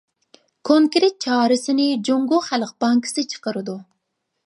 كونكرېت چارىسىنى جۇڭگو خەلق بانكىسى چىقىرىدۇ.